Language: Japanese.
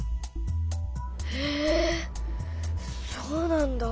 えそうなんだ。